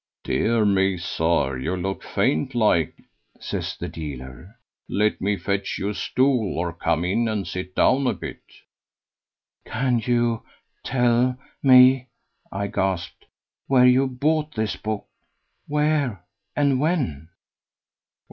"Dear me, sir, you look faint like," says the dealer; "let me fetch you a stool, or come in and sit down a bit." "Can you tell me," I gasped, "where you bought this book? Where and when?"